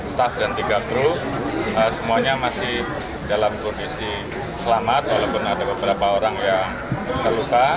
staff dan tiga kru semuanya masih dalam kondisi selamat walaupun ada beberapa orang yang terluka